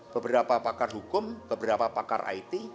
beberapa pakar hukum beberapa pakar it